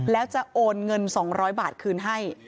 แล้วจะโอนเงิน๒๐๐บาทคืนให้